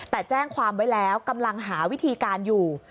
แต่แจ้งความไว้แล้วกำลังหาวิธีการอยู่